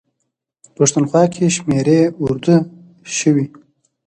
پښتونخوا کې شمېرې اردو شوي.